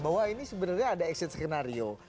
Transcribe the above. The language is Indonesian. bahwa ini sebenarnya ada eksis senario